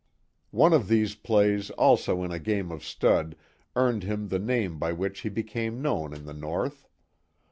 One of these plays also in a game of stud earned him the name by which he became known in the North.